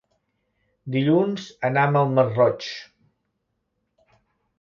Dilluns anam al Masroig.